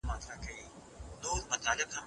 د ابدالیانو او هوتکو ترمنځ جګړه د دښمن په ګټه ده.